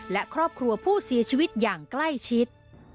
และครอบครัวผู้เสียชีวิตอย่างใกล้ชิด